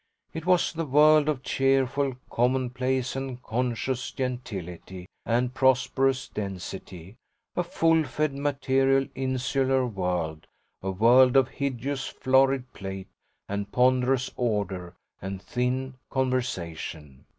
It was the world of cheerful commonplace and conscious gentility and prosperous density, a full fed material insular world, a world of hideous florid plate and ponderous order and thin conversation.